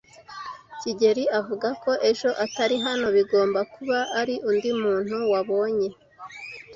kigeli avuga ko ejo atari hano. Bigomba kuba ari undi muntu wabonye.